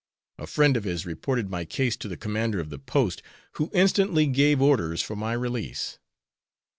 A friend of his reported my case to the commander of the post, who instantly gave orders for my release.